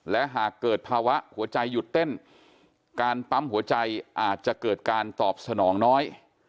และหากเกิดภาวะหัวใจหยุดเต้นการปั๊มหัวใจอาจจะเกิดการตอบสนองน้อย